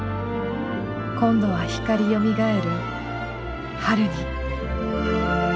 今度は光よみがえる春に。